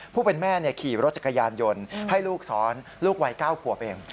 ผู้เป็นแม่ขี่รถจักรยานยนต์ให้ลูกซ้อนลูกวัย๙ขวบเอง